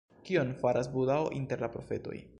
Kion faras Budao inter la profetoj?